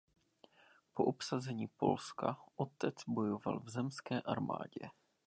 Po obsazení Polska otec bojoval v Zemské armádě.